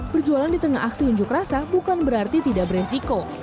berjualan di tengah aksi unjuk rasa bukan berarti tidak beresiko